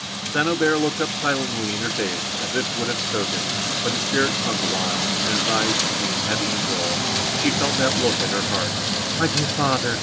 St. Aubert looked up silently in her face, as if would have spoken, but his spirit sunk a while, and his eyes became heavy and dull. She felt that look at her heart. "My dear father!"